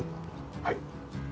はい。